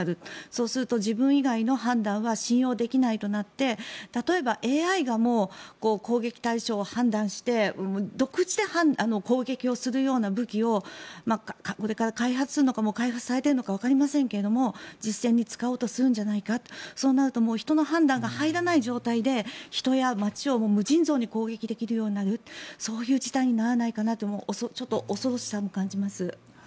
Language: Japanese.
そうすると自分以外の判断は信用できないとなって例えば、ＡＩが攻撃対象を判断して独自で攻撃をするような武器をこれから開発するのか開発されているのかわかりませんが実戦に使おうとするんじゃないかそうなると人の判断が入らない状態で人や街を無尽蔵に攻撃できるようなそういう事態にならないかなとちょっと恐ろしさも感じます。